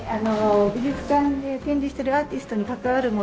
美術館で展示してるアーティストに関わるもの